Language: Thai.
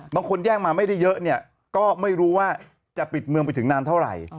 บางคนแย่งมาไม่ได้เยอะเนี่ยก็ไม่รู้ว่าจะปิดเมืองไปถึงนานเท่าไหร่